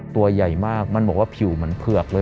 ตัวใหญ่มากมันบอกว่าผิวเหมือนเผือกเลย